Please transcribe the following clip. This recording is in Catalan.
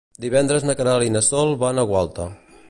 Divendres na Queralt i na Sol van a Gualta.